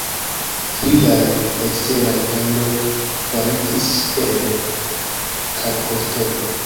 Liaj eksteraj vandoj faritis el kalkoŝtono.